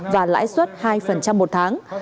và lãi suất hai một tháng